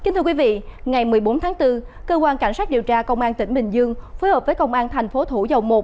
ngày một mươi bốn tháng bốn cơ quan cảnh sát điều tra công an tỉnh bình dương phối hợp với công an tp thủ dầu một